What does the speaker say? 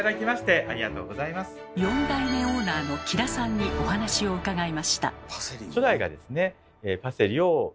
４代目オーナーの木田さんにお話を伺いました。